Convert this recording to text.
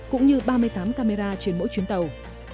cũng như ba mươi tám camera trên mỗi chuyến tàu